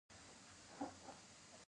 د فیوټیریم دروند اوبه جوړوي.